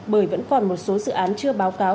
bởi vẫn còn một số dự án chưa báo cáo